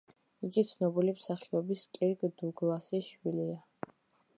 იგი ცნობილი მსახიობის კირკ დუგლასის შვილია.